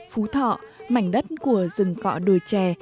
phú thọ mảnh đất của rừng cọ đùi trè